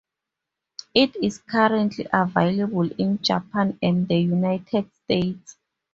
It is currently available in Japan and the United States.